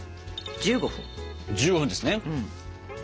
１５分ですね。